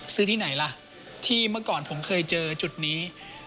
ที่ไหนล่ะที่เมื่อก่อนผมเคยเจอจุดนี้